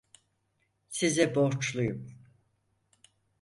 Size borçluyum.